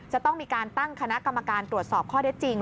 จะต้องมีการตั้งคณะกรรมการตรวจสอบข้อได้จริง